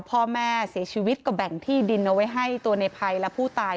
พ่อแม่เสียชีวิตก็แบ่งที่ดินเอาไว้ให้ตัวในภัยและผู้ตาย